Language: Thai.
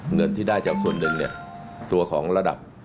เงินที่ได้จากส่วนหนึ่งเนี่ยตัวของระดับ